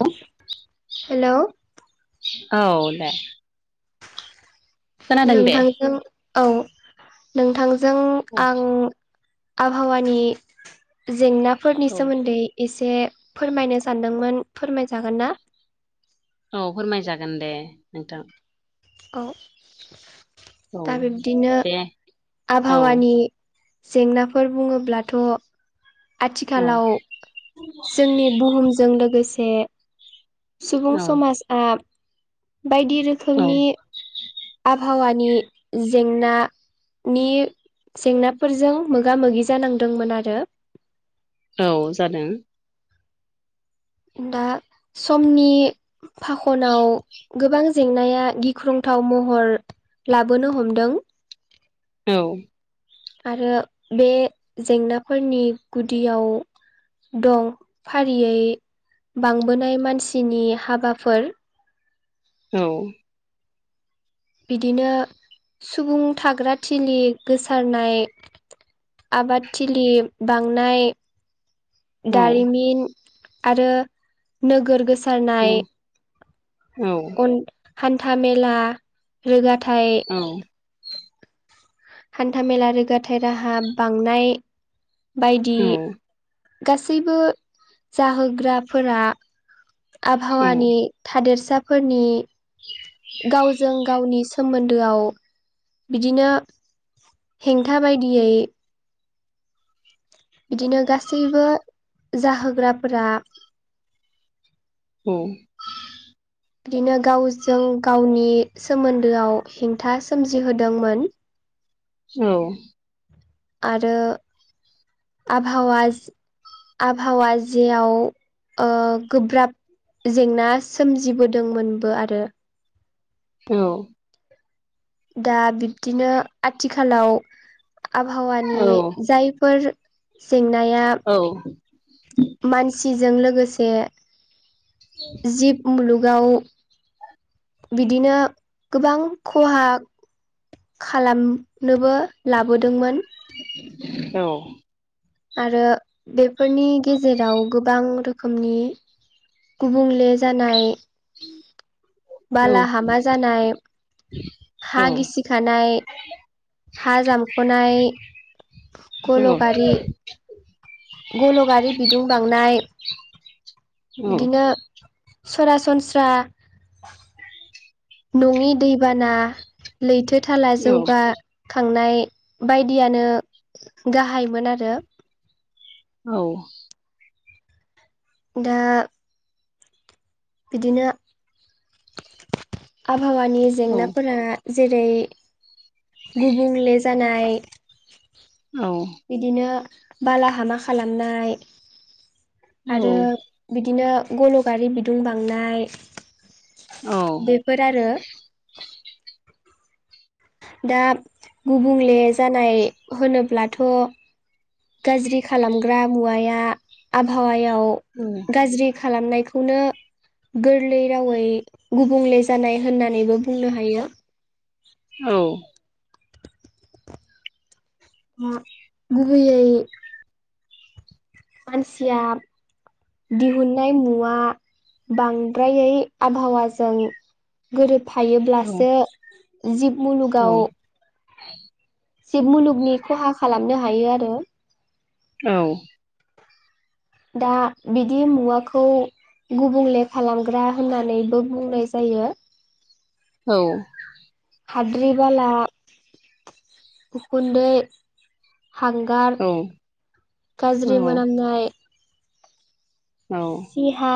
औ हेलौ औ दे खोनादों दे नोंथांजों औ, नोंथांजों औ आं आबहावानि जेंनाफोरनि औ सोमोन्दै एसे फोरमायनो सानदोंमोन फोरमायजागोन ना? औ फोरमायजागोन दे नोंथां। औ औ दा बिब्दिनो दे औ आबहावानि जेंनाफोर बुङोब्लाथ' औ आथिखालाव जोंनि बुहुमजों लोगोसे सुबुं औ समाजआ बायदि औ रोखोमनि आबहावानि जेंना नि जेंनाफोरजों मोगा मोगि जानांदोंमोन आरो औ जादों। दा समनि फाखनाव गोबां जेंनाया गिख्रंथाव महर लाबोनो हमदों। औ आरो बे जेंनाफोरनि गुदियाव दं फारियै बांबोनाय मानसिनि हाबाफोर औ बिदिनो सुबुं थाग्रा थिलि गोसारनाय आबादथिलि बांनाय औ दारिमिन आरो नोगोर गोसा औ हान्था मेला रोगाथाइ औ हान्थामेला रोगाथाय राहा बांनाय बायदि औ औ गासैबो जाहोग्राफोरा औ आबहावानि थादेरसाफोरनि [inaudible] गावजों गावनि सोमोन्दोआव बिदिनो हेंथा बायदियै बिदिनो गासैबो जाहोग्राफोरा औ [unintelligible] बिदिनो गावजों गावनि सोमोन्दोआव हेंथा सोमजिहोदोंमोन। औ आरो आबहावा आबहावा जेयाव ओ गोब्राब जेंना सोमजिबोदोंमोनबो आरो। औ दा बिब्दिनो आथिखालाव आबहावानि जायफोर जेंनाया औ मानसिजों लोगोसे [inaudible] जिब मुलुगाव बिदिनो गोबां खहा खालामनोबो लाबोदोंमोन। औ आरो बेफोरनि गेजेराव गोबां रोखोमनि गुबुंले जानाय बालाहामा जानाय हा गिसिखानाय हा जामख'नाय गल' गारि गल' गारि बिदुं बांनाय बिदिनो सरासनस्रा नङि दैबाना लैथो थाला जौगा खांनाय बायदियानो गाहायमोन आरो। औ दा बिदिनो आबहावानि जेंनाफोरा जेरै गुबुंले जानाय औ बिदिनो बालाहामा खालामनाय आरो बिदिनो गल'गारि बिदुं बांनाय बेफोर आरो दा गुबुंले जानाय होनोब्लाथ' गाज्रि खालामग्रा मुवाया आबहावायाव औ गाज्रि खालामनायखौनो गोरलै रावै गुबुंले जानाय होननानैबो बुंनो हायो। औ मा गुबैयै मानसिया दिहुननाय मुवा बांद्रायै आबहावाजों गोरोबफायोब्लासो जिब मुलुगाव जिब मुलुगनि खहा खालामनो हायो आरो औ दा बिदि मुवाखौ गुबुंले खालामग्रा होननानैबो बुंनाय जायो। औ हाद्रि बाला उखुन्दै हांगार औ औ गाज्रि औ मोनामनाय औ हा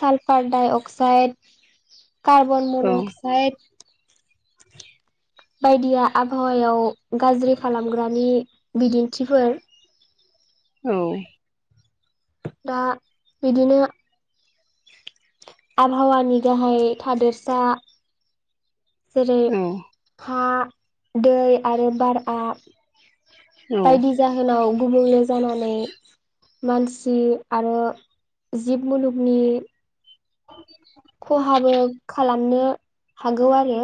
sulphur dioxide carbon monoxide बायदिया आबहावायाव गाज्रि खालामग्रानि बिदिन्थिफोर औ दा बिदिनो आबहावानि गाहाय थादोरसा जेरै हा दै आरो बारा बायदि जाहोनाव गुबुंले जानानै मानसि आरो जिब मुलुगनि खहाबो खालामनो हागौ आरो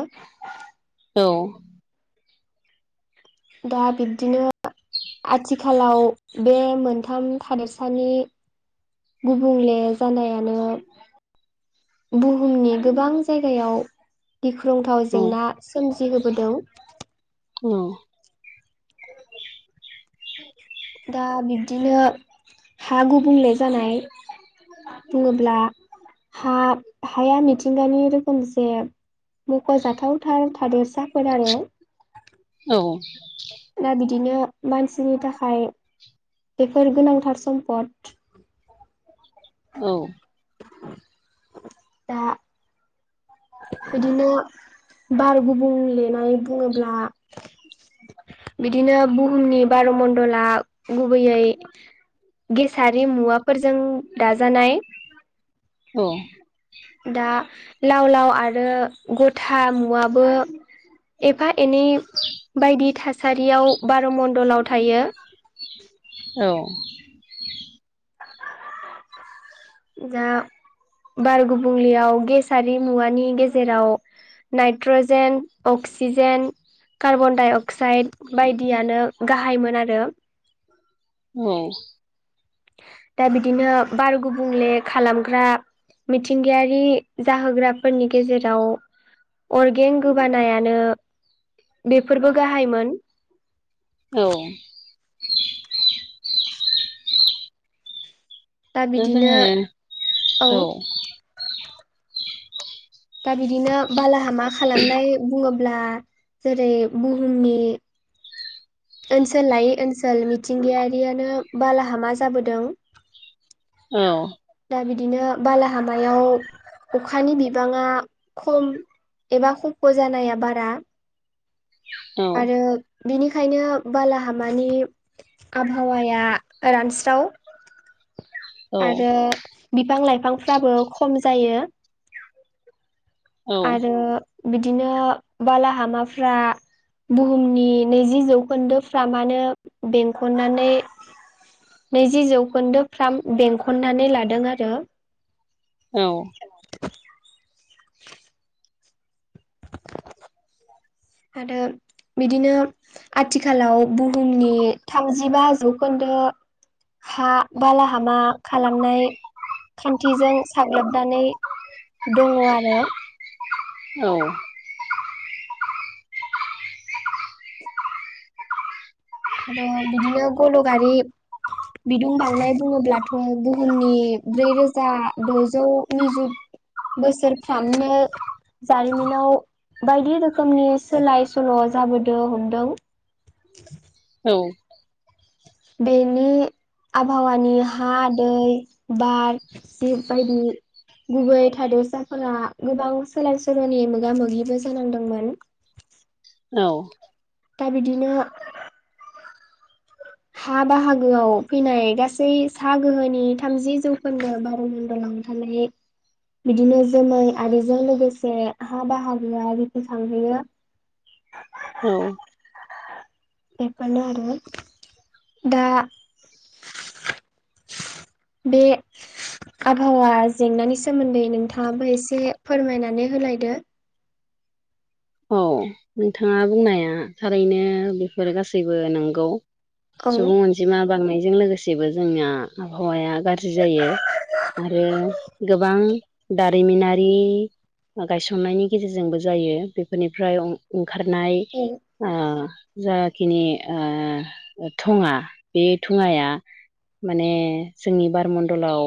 औ दा बिब्दिनो आथिखाल आथिखालाव बे मोनथाम थादेरसानि गुबुंले जानायानो बुहुमनि गोबां जायगायाव गिख्रंथाव जेंना सोमजिहोबोदों। अम दा बिब्दिनो हा गुबुंले जानाय बुङोब्ला हा हाया मिथिंगानि रोखोमसे मख'जाथाव थाव थादेरसाफोर आरो औ दा बिदिनो मानसिनि थाखाय बेफोर गोनांथार सम्पद औ दा बिदिनो बार गुबुंलेनाय बुङोब्ला बिदिनो बुहुमनि बार' मणडला गुबैयै गेसारि मुवाफोरजों दाजानाय औ दा लाव लाव आरो गथा मुवाबो एफा एनै बायदि थासारियाव बार' मणडलाव थायो। औ दा बार गुबुंलियाव गेसारि मुवानि गेजेराव नाइट्रजेन, अक्सिजेन कार्बन-डाइ-अक्साइड बायदियानो गाहायमोन आरो होम दा बिदिनो बार गुबुंले खालामग्रा मिथिंगायारि जाहोग्राफोरनि गेजेराव अर्गेंन गोबानायानो बेफोरबो गाहायमोन औ दा जोङो औ दा बिदिनो बालाहामा खालामनाय बुङोब्ला जेरै बुहुमनि ओनसोल लायै ओनसोल मिथिंगायारियानो बालाहामा जाबोदों। औ दा बिदिनो बालाहामायाव अखानि बिबाङा खम एबा खफ' जानाया बारा आरो बिनिखायनो बालाहामानि आबहावाया रानस्राव आरो बिफां-लाइफांफ्राबो खम जायो। आरो बिदिनो बालाहामाफ्रा बुहुमनि नैजि जौखोन्दोफ्राम आनो बेंखननानै नैजि जौखोन्दो फ्राम बेंखननानै लादों आरो औ आरो बिदिनो आथिखालाव बुहुमनि थामजिबा जौखोन्दो हा बालाहामा खालामनाय खान्थिजों साग्लोबनानै दङ आरो औ आरो बिदिनो गल' गारि बिदुं बावनाय बुङोब्लाथ' बुहुमनि ब्रैरोजा द'जौ निजु बोसोरफ्रामनो जारिमिनाव बायदि रोखोमनि सोलाय सोल' जाबोदों हमदों। औ बेनि आबहावानि हा दै बार जिब बायदि गुबै थादोरसाफोरा गोबां सोलाय सोल'नि मोगा मोगिबो जानांदोंमोन औ दा बिदिनो हा बाहागोआव फैनाय गासै सा गोहोनि थामजि जौखोन्दो बार'मण्डलाव थारमाने बिदिनो जोमै आरिजों लोगोसे हा बाहागोआ रिखिखांहोयो औ बेफोरनो आरो दा बे आबहावा जेंनानि सोमोन्दै नोंथाङाबो एसे फोरमायनानै होलायदो। औ नोंथाङा बुंनाया थारैनो बेफोर गासैबो नंगौ औ सुबुं अनजिमा बांनायजों लोगोसेबो जोंना आबहावाया गाज्रि जायो। आरो गोबां दारिमिनारि गायसननायनि गेजेरजोंबो जायो बेफोरनिफ्राय ओ- ओंखारनाय औ ओ जाखिनि ओ थङा बे थङाया माने जोंनि बारमण्डलाव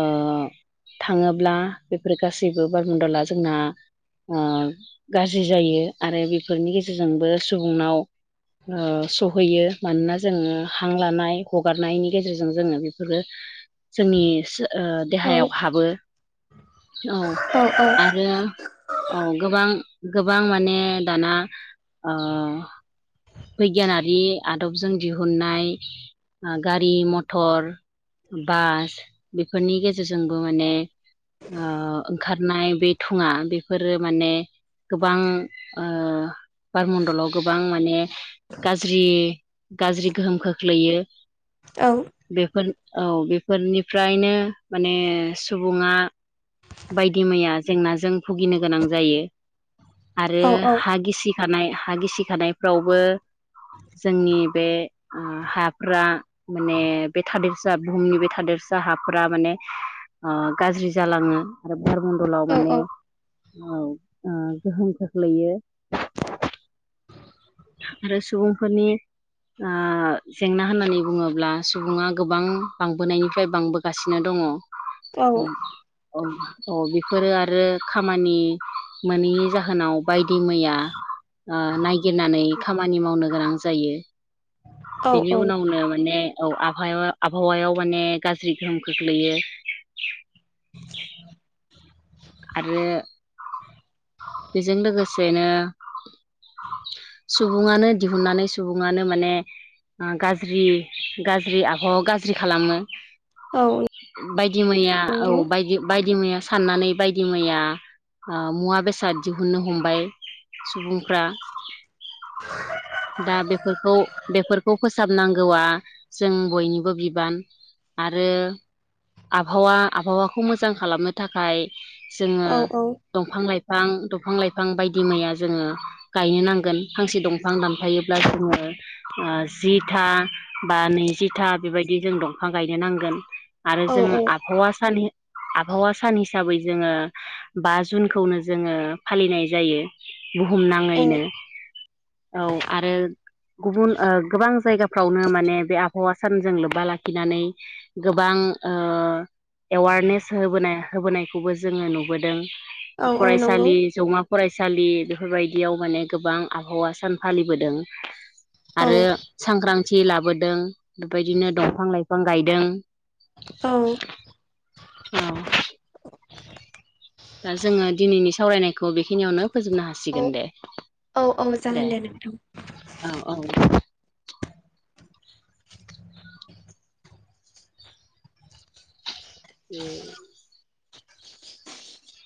ओ थाङोब्ला बेफोर गासैबो बारमणडला जोंना ओ गाज्रि जायो आरो बेफोरनि गेजेरजोंबो सुबुंनाव ओ सहैयो मानोना जोङो हां लानाय हगारनायनि गेजेरजों जोङो बेफोरो जोंनि सो ओ औ देहायाव हाबो औ औ आरो औ गोबां गोबां माने दाना ओ बिगियानारि आदबजों दिहुननाय गारि मथर बास बेफोरनि गेजेरजोंबो माने ओ ओंखारनाय बे थुङा बेफोरो माने गोबां ओ बार मण्डलाव गोबां माने गाज्रि गाज्रि गोहोम खोख्लैयो। औ बेफोर औ बेफोरनिफ्रायनो माने सुबुङा बायदि मैया जेंनाजों भुगिनो गोनां जायो। आरो औ हा गिसिखानाय हा गिसिखानायफ्रावबो जोंनि बे हाफ्रा माने बे थादेरसा बुहुमनि बे थादेरसा हाफोरा माने ओ गाज्रि जालाङो आरो भारमण्डलाव माने औ औ ओ गोहोम खोख्लैयो आरो सुबुंफोरनि ओ जेंना होननानै बुङोब्ला सुबुङा गोबां बांबोनायनिफ्राय बांबोगासिनो दङ औ औ बेफोरो आरो खामानि मोनैनि जाहोनाव बायदि मैया नायगिरनानै खामानि मावनो गोनां जायो। औ बेनि उनावनो माने औ आहायाव आबहावायाव माने गाज्रि गोहोम खोख्लैयो। आरो बेजों लोगोसेनो सुबुङानो दिहुननानै सुबुङानो माने गाज्रि गाज्रि आबहावा गाज्रि खालामो। औ बायदि मैया औ नंगौ बायदि बायदि मैया सन्नानै बायदि मैया मुवा बेसाद बेसाद दिहुननो हमबाय सुबुंफ्रा। दा बेफोरखौ बेफोरखौ फोसाबनांगौआ जों बयनिबो बिबान आरो आबहावा आबहावाखौ मोजां खालामनो थाखाय जोङो औ औ दंफां लाइफां दंफां लाइफां बायदि मैया जोङो गायनो नांगोन फांसे दं फां दानफायोब्ला जोङो ओ जिथा बा नैजिथा बेबायदि जों दंफां गायनो नांगोन। आरो औ जों आबहावा सान आबहावा सान हिसाबै जोङो बा जुनखौनो जोङो फालिनाय जायो बुहुम औ नाङैनो। औ आरो गुबुन ओ गोबां जायगाफ्रावनो माने बे आबहावा सानजों लोब्बा लाखिनानै गोबां ओ एवारनेस होबोनाय होबोनायखौबो जोङो नुबोदों। औ औ नंगौ फरायसालि जौमा फरायसालि बेफोरबायदियाव माने गोबां आबहावा सा सान फालिबोदों औ आरो सांग्रां थि लाबोदों बेबायदिनो दंफां लाइफां गायदों। औ। औ। दा जोङो दिनैनि सावरायनायखौ बेखिनियावनो फोजोबनो हासिगोन दे। औ औ जागोन दे नोंथां। औ औ। [unintelligible]